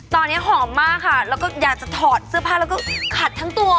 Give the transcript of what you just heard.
ตอนนี้หอมมากค่ะแล้วก็อยากจะถอดเสื้อผ้าแล้วก็ขัดทั้งตัว